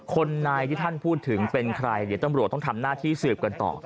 คนในที่ท่านพูดถึงเป็นใครเดี๋ยวตำรวจต้องทำหน้าที่สืบกันต่อ